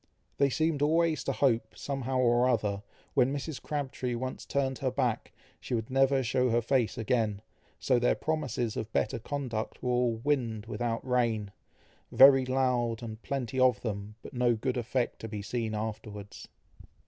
They seemed always to hope, somehow or other, when Mrs. Crabtree once turned her back, she would never shew her face again; so their promises of better conduct were all "wind without rain," very loud and plenty of them, but no good effect to be seen afterwards.